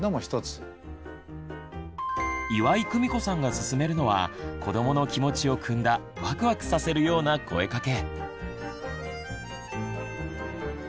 岩井久美子さんがすすめるのは子どもの気持ちをくんだワクワクさせるような声かけ。